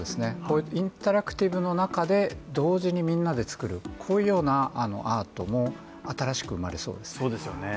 インタラクティブの中で同時にみんなで作る、こういうようなアートも新しく生まれそうですね。